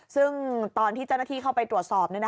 ซึ่งตอนที่เจ้าหน้าที่เข้าไปตรวจสอบ